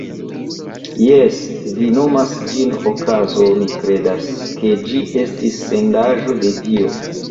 Jes, vi nomas ĝin okazo, mi kredas, ke ĝi estis sendaĵo de Dio.